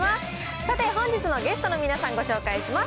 さて、本日のゲストの皆さん、ご紹介します。